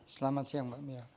selamat siang mbak mia